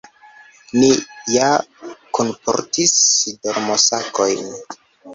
Ni ja kunportis dormosakojn.